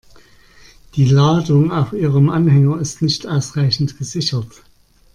Die Ladung auf Ihrem Anhänger ist nicht ausreichend gesichert.